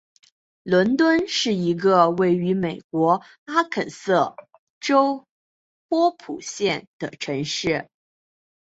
伦敦是一个位于美国阿肯色州波普县的城市。